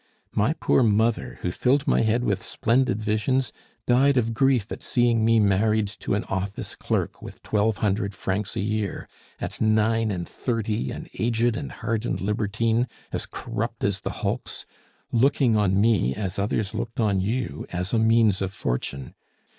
My poor mother, who filled my head with splendid visions, died of grief at seeing me married to an office clerk with twelve hundred francs a year, at nine and thirty an aged and hardened libertine, as corrupt as the hulks, looking on me, as others looked on you, as a means of fortune!